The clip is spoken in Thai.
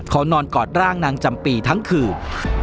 เขานอนกอดร่างนางจำปีทั้งคืน